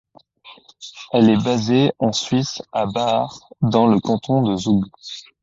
Elle est basée en Suisse à Baar, dans le canton de Zoug.